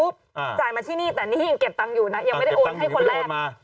ท้าสี่เป็นแม่ค้า